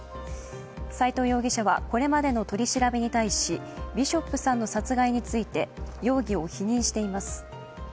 斉藤容疑者はこれまでの取り調べに対しビショップさんの殺害について容疑を否認しています。